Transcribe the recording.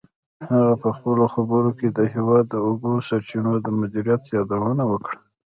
هغه په خپلو خبرو کې د هېواد د اوبو سرچینو د مدیریت یادونه وکړه.